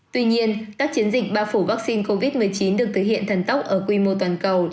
tuy nhiên các chiến dịch bao phủ vaccine covid một mươi chín được thể hiện thần tốc ở quy mô toàn cầu